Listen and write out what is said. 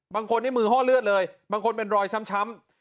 บางคนนี่มือห้อเลือดเลยบางคนเป็นรอยช้ำ